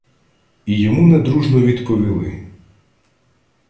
І йому недружно відповіли: